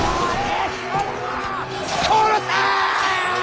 殺せ！